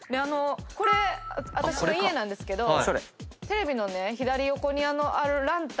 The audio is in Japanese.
これ私の家なんですけどテレビの左横にあるあのランタン。